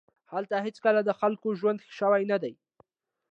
هلته هېڅکله د خلکو ژوند ښه شوی نه دی